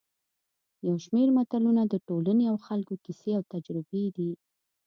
یو شمېر متلونه د ټولنې او خلکو کیسې او تجربې دي